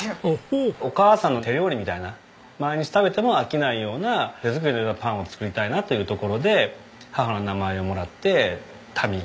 お母さんの手料理みたいな毎日食べても飽きないような手作りのようなパンを作りたいなというところで母の名前をもらって「タミー」。